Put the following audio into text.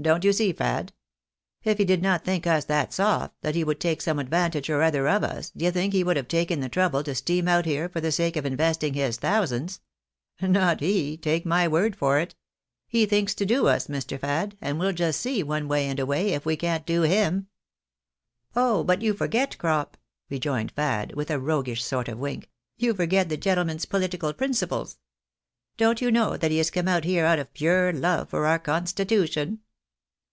Don't you see, Fad? If he did not think us that soft that he could take some advantage or other of us, d'ye think he would have taken the trouble to steam out here for the sake of investing his thousands ? Not he, take my word for it. He thinks to do us, Mr. Fad, and we'U just see, once and away, if we can't do him." " Oh ! but you forget, Crop," rejoined Fad, with a roguish sort of wink, " you forget the gentleman's political principles. Don't you know that he is come out here out of pure love for our con stitution